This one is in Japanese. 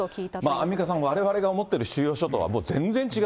アンミカさん、われわれが思っている収容所とはもう全然違う。